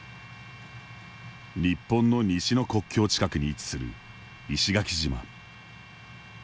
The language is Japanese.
日本の西の国境近くに位置する石垣島。